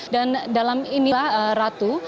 dan dalam inilah ratu